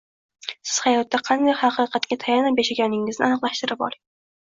Siz hayotda qanday haqiqatga tayanib yashashingizni aniqlashtirib oling